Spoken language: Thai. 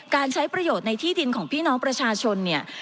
การใช้ประโยชน์ในที่ดินของพี่น้องประชาชนเนี่ย